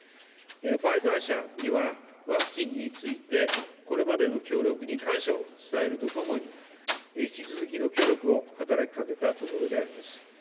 ファイザー社には、ワクチンについて、これまでの協力に感謝を伝えるとともに、引き続きの協力を働きかけたところであります。